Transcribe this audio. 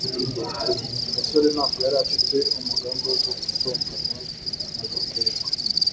gasore ntabwo yari afite umugambi wo gutongana na gakwego